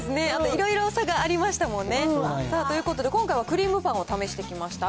いろいろ差がありましたもんね。ということで、今回はクリームパンを試してきました。